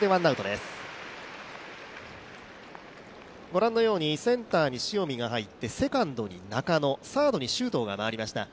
ご覧のように、センターに塩見が入って、セカンドに中野、サードに周東が回りました。